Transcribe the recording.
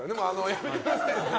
やめてくださいね。